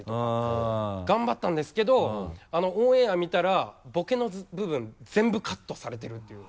うん。頑張ったんですけどオンエア見たらボケの部分全部カットされてるっていう。